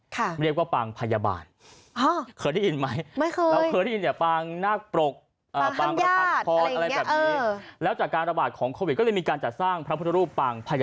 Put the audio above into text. เราเรียกว่าปางพยาบาลเคยได้ยินมั้ย